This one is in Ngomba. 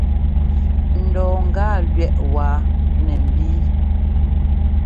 Ŋdɔ gâa lúɛʼ wáa nɛ nbíi.